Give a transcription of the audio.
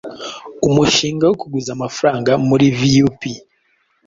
umushinga wo kuguza amafaranga muri vup